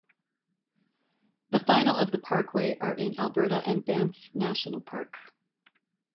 The final of the parkway are in Alberta and Banff National Park.